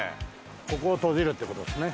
ここを閉じるってことですね。